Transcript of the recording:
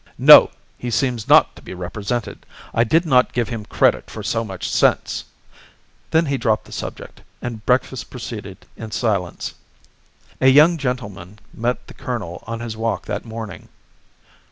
"No; he seems not to be represented. I did not give him credit for so much sense." Then he dropped the subject, and breakfast proceeded in silence. A young gentleman met the colonel on his walk that morning.